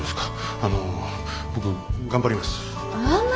あの僕頑張ります。